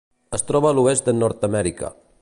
Es troba a l'oest de Nord-amèrica.